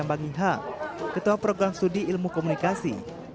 m h ketua program studi ilmu komunikasi